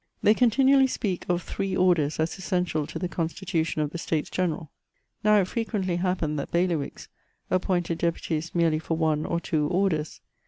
They continually speak of three orders as essential to the Constitution of the States General. Now, it frequently happened that bailiwicks appointed deputies merely for one or two orders.